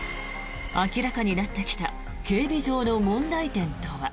明らかになってきた警備上の問題点とは。